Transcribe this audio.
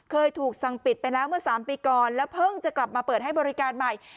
เคยถูกสั่งปิดไปแล้วเมื่อ๓ปีก่อนแล้วเพิ่งจะกลับมาเปิดให้บริการใหม่